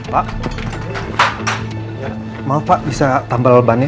pak maaf pak bisa tambal ban ya